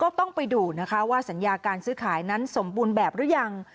ต้องไปดูนะคะว่าสัญญาการซื้อขายนั้นสมบูรณ์แบบหรือยัง